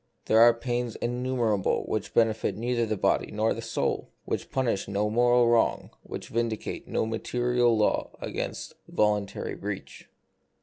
There are pains innumerable which benefit neither the body nor the soul ; which punish no moral wrong, which vindicate no material law against volun tary breach.